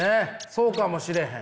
そうかもしれへん。